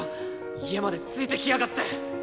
家までついてきやがって！